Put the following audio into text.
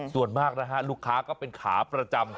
ส่วนมากนะฮะลูกค้าก็เป็นขาประจำ